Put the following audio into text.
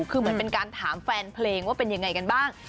คือเหมือนเป็นการถามแฟนเพลงว่าเป็นยังไงกันบ้าง